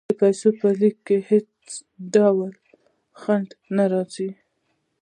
د پیسو په لیږد کې هیڅ ډول ځنډ نه راځي.